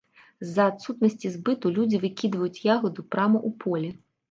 З-за адсутнасці збыту людзі выкідваюць ягаду прама ў поле.